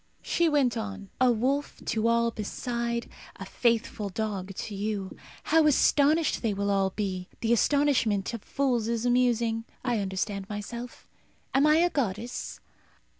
She went on, "A wolf to all beside; a faithful dog to you. How astonished they will all be! The astonishment of fools is amusing. I understand myself. Am I a goddess?